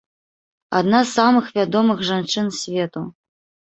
Адна з самых вядомых жанчын свету.